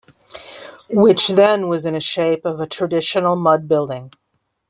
Which then was in a shape of a traditional mud building.